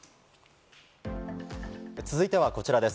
続いてはこちらです。